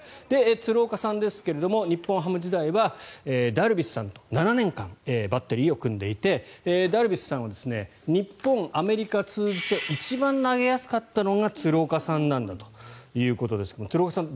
鶴岡さんですけども日本ハム時代はダルビッシュと７年間バッテリーを組んでいてダルビッシュさんは日本、アメリカ通じて一番投げやすかったのが鶴岡さんなんだということですが鶴岡さん